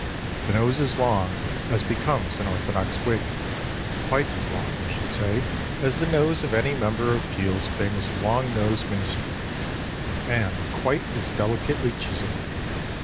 The nose is long, as becomes an orthodox Whig; quite as long, we should say, as the nose of any member of Peel's famous long nosed ministry, and quite as delicately chiselled.